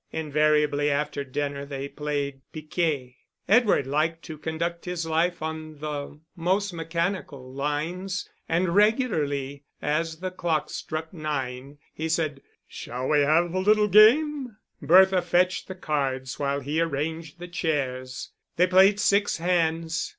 Invariably after dinner they played piquet. Edward liked to conduct his life on the most mechanical lines, and regularly, as the clock struck nine, he said: "Shall we have a little game?" Bertha fetched the cards while he arranged the chairs. They played six hands.